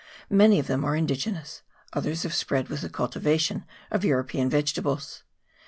Many of them are indigenous, others have spread with the cultivation of European vegetables.